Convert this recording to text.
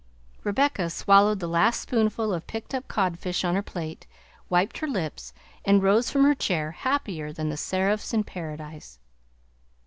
Rebecca swallowed the last spoonful of picked up codfish on her plate, wiped her lips, and rose from her chair happier than the seraphs in Paradise.